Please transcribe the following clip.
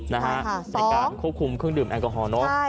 ในการควบคุมเครื่องดื่มแอลกอฮอลเนอะ